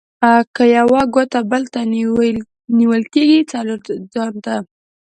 که یوه ګوته بل ته نيول کېږي؛ :څلور ځان ته.